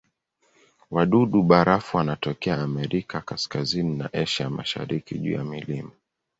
Wadudu-barafu wanatokea Amerika ya Kaskazini na Asia ya Mashariki juu ya milima.